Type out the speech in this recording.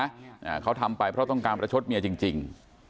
อ่าเขาทำไปเพราะต้องการประชดเมียจริงจริง